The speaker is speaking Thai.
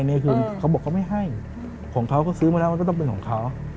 อันนี้คือเขาบอกเขาไม่ให้ของเขาก็ซื้อมาแล้วมันก็ต้องเป็นของเขา